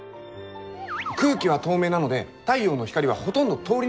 空気は透明なので太陽の光はほとんど通り抜けてしまいます。